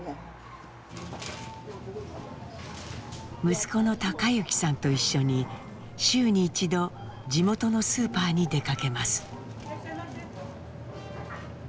息子の貴之さんと一緒に週に１度地元のスーパーに出かけます。